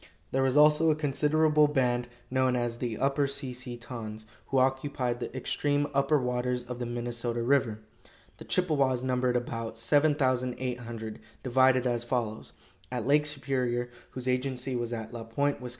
There was also a considerable band, known as the Upper Si si tons, who occupied the extreme upper waters of the Minnesota river. The Chippewas numbered about 7,800, divided as follows: At Lake Superior, whose agency was at La Pointe, Wis.